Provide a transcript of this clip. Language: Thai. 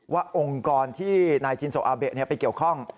องค์กรที่นายจินโซอาเบะไปเกี่ยวข้อง